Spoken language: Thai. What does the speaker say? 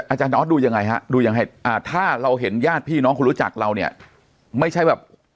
อาจารย์ออสดูยังไงฮะดูยังไงอ่าถ้าเราเห็นญาติพี่น้องคุณรู้จักเราเนี่ยไม่ใช่แบบ